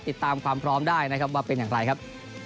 ติดตามความพร้อมได้นะครับว่าเป็นอย่างไรครับ